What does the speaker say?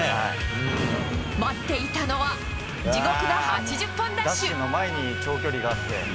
待っていたのは、地獄の８０本ダッシュ。